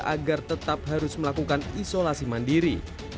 agar tetap harus melakukan isolasi mandiri